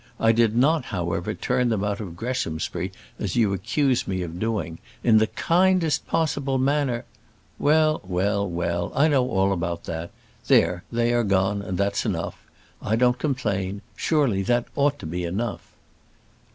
I did not, however, turn them out of Greshamsbury as you accuse me of doing. In the kindest possible manner " "Well well well; I know all that. There, they are gone, and that's enough. I don't complain; surely that ought to be enough."